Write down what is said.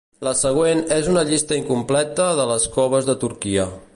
La següent és una llista incompleta de les coves de Turquia.